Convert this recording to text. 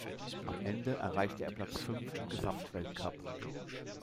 Am Ende erreichte er Platz fünf im Gesamtweltcup.